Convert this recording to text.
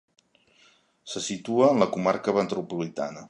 Se situa en la comarca Metropolitana.